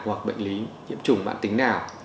hoặc bệnh lý nhiễm trùng mạng tính nào